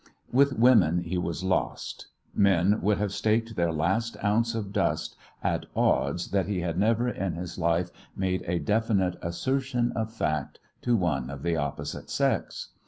With women he was lost. Men would have staked their last ounce of dust at odds that he had never in his life made a definite assertion of fact to one of the opposite sex.